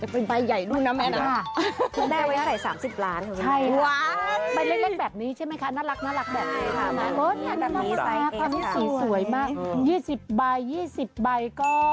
ป้านี้เราคงบ้อย